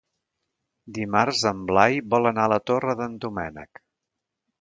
Dimarts en Blai vol anar a la Torre d'en Doménec.